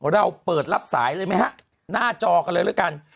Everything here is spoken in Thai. เราเปิดรับสายเลยไหมฮะหน้าจอกันเลยแล้วกัน